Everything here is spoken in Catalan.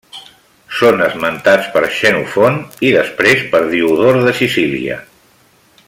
Són esmentats per Xenofont i després per Diodor de Sicília.